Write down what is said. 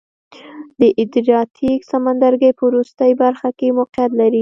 د ادریاتیک سمندرګي په وروستۍ برخه کې موقعیت لري.